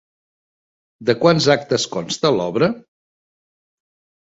De quants actes consta l'obra?